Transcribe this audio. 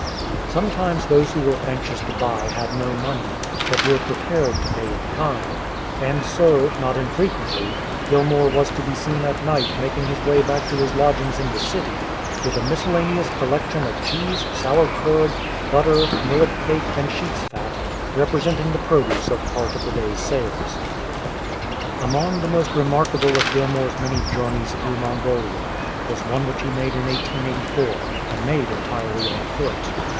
Sometimes those who were anxious to buy had no money, but were prepared to pay in kind. And so, not infrequently, Gilmour was to be seen at night making his way back to his lodgings in the city " with a miscel laneous collection of cheese, sour curd, butter, millet cake, and sheep's fat, representing the produce of part of the day's sales."*' 25 GILMOUR AS TRAMP Among the most remarkable of Gilmour''s many journeys through Mongolia was one which he made in 1884, and made entirely on foot.